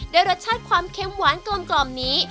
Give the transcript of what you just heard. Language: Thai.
รสชาติความเค็มหวานกลมนี้